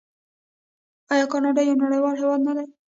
آیا کاناډا یو نړیوال هیواد نه دی؟